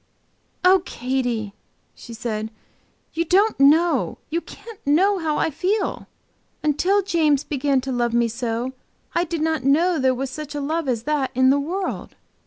'" "Oh, Katy!" she said, "you don't know, you can't know, how I feel. Until James began to love me so I did not know there was such a love as that in the world.